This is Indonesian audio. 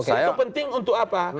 itu penting untuk apa